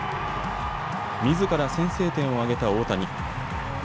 みずから先制点を挙げた大谷。